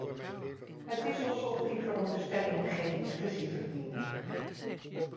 Het is alsof die veronderstellingen geen discussie verdienen.